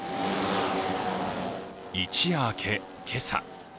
一夜明け、今朝。